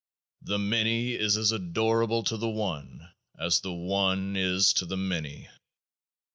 4 The Many is as adorable to the One as the One is to the Many.